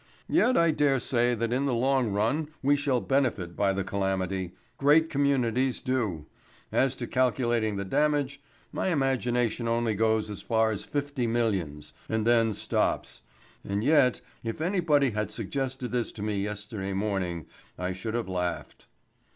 "Yet I dare say that in the long run we shall benefit by the calamity, great communities do. As to calculating the damage, my imagination only goes as far as fifty millions, and then stops. And yet if anybody had suggested this to me yesterday morning, I should have laughed."